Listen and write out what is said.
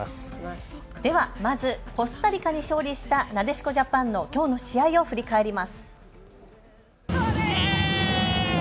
まずコスタリカに勝利したなでしこジャパンのきょうの試合を振り返ります。